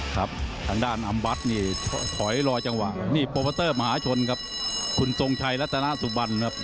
ค่ะต่างด้านอำบัสนี่ถอยลอยจังหวะนะคุณสงชัยและสุบัรอะ